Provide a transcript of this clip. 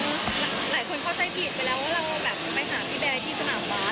คือหลายคนเข้าใจผิดไปแล้วว่าเราแบบไปหาพี่แบร์ที่สนามวัด